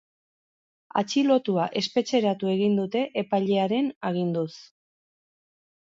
Atxilotua espetxeratu egin dute epailearen aginduz.